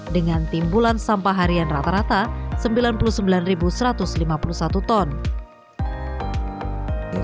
dengan timbulan sampah harian rata rata sembilan puluh sembilan satu ratus lima puluh satu ton